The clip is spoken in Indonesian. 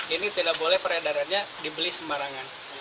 ini tidak boleh peredarannya dibeli sembarangan